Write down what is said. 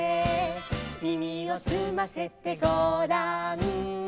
「耳をすませてごらん」